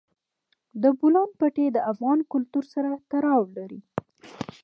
د بولان پټي د افغان کلتور سره تړاو لري.